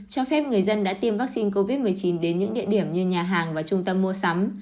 cho phép người dân đã tiêm vaccine covid một mươi chín đến những địa điểm như nhà hàng và trung tâm mua sắm